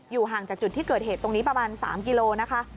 ห่างจากจุดที่เกิดเหตุตรงนี้ประมาณ๓กิโลนะคะ